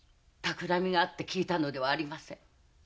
企みがあって訊いたのではありません。